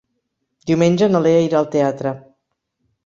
Diumenge na Lea irà al teatre.